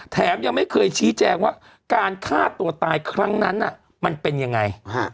แถมยังไม่เคยชี้แจงว่าการฆ่าตัวตายครั้งนั้นมันเป็นยังไง